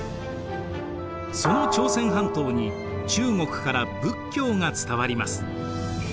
その朝鮮半島に中国から仏教が伝わります。